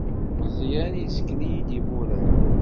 Meẓẓyan yesken-iyi-d imurar.